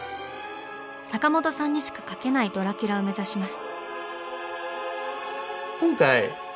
坂本さんにしか描けないドラキュラを目指します。